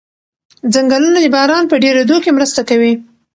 ځنګلونه د باران په ډېرېدو کې مرسته کوي.